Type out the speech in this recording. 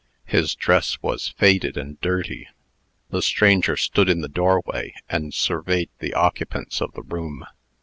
His dress was faded and dirty. The stranger stood in the doorway, and surveyed the occupants of the room.